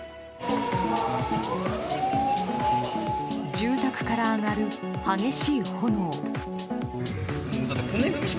住宅から上がる激しい炎。